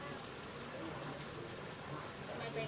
พวกเขาถ่ายมันตรงกลาง